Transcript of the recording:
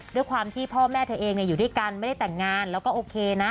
ด้วยความที่พ่อแม่เธอเองอยู่ด้วยกันไม่ได้แต่งงานแล้วก็โอเคนะ